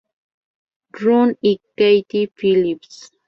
Run y Kathy Phillips.